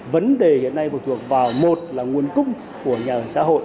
vấn đề hiện nay phụ thuộc vào một là nguồn cung của nhà